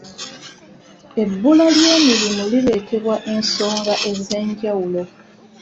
Ebbula ly'emirimu lireetebwa ensonga ez'enjawulo.